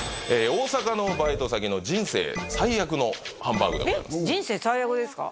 大阪のバイト先の人生最悪のハンバーグでございます人生最悪ですか？